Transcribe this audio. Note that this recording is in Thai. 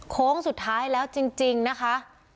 โค้งสุดท้ายแล้วจริงนะคะ